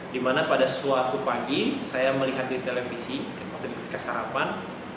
di mana pada suatu pagi saya melihat di televisi ketika sarapan